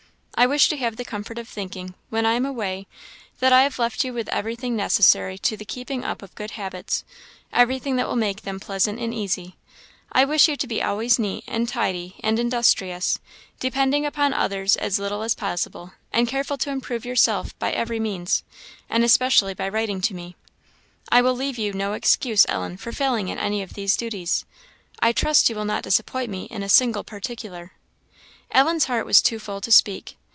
I wish to have the comfort of thinking, when I am away, that I have left you with everything necessary to the keeping up of good habits everything that will make them pleasant and easy. I wish you to be always neat, and tidy, and industrious; depending upon others as little as possible; and careful to improve yourself by every means, and especially by writing to me. I will leave you no excuse, Ellen, for failing in any of these duties. I trust you will not disappoint me in a single particular." Ellen's heart was too full to speak.